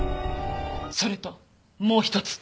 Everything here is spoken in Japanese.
それともう一つ。